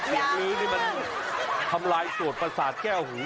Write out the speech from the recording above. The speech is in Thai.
ลื้อนี่มันทำลายส่วนประสาทแก้วหู